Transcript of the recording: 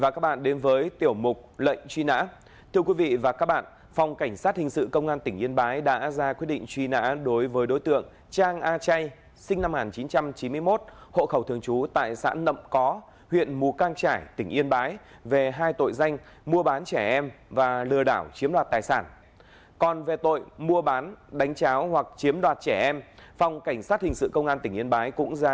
chào mừng quý vị đến với tiểu mục lệnh truy nã